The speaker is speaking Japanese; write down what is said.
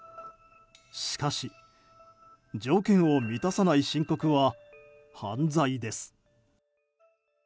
しかし、条件を満たさない申告は犯罪です。